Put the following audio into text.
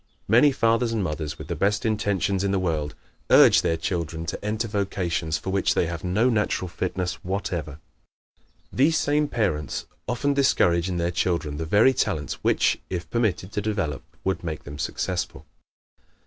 Many fathers and mothers, with the best intentions in the world, urge their children to enter vocations for which they have no natural fitness whatever. These same parents often discourage in their children the very talents which, if permitted to develop, would make them successful.